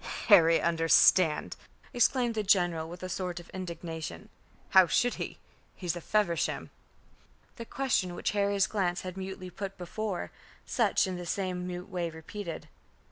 "Harry understand!" exclaimed the general, with a snort of indignation. "How should he? He's a Feversham." The question, which Harry's glance had mutely put before, Sutch in the same mute way repeated.